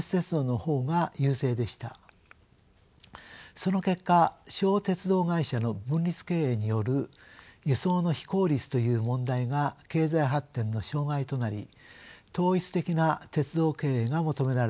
その結果小鉄道会社の分立経営による輸送の非効率という問題が経済発展の障害となり統一的な鉄道経営が求められ